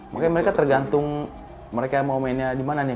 makanya mereka tergantung mereka mau mainnya di mana nih